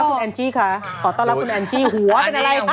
ไม่เราต้องแต่งตัวให้เงียง